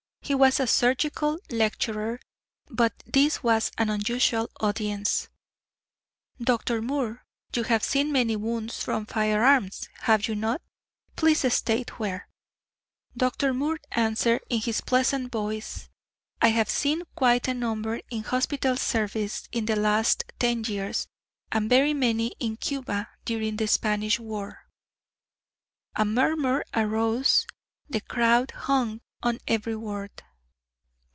He was a surgical lecturer, but this was an unusual audience. "Dr. Moore, you have seen many wounds from firearms, have you not? Please state where." Dr. Moore answered in his pleasant voice: "I have seen quite a number in hospital service in the last ten years, and very many in Cuba during the Spanish War." A murmur arose the crowd hung on every word.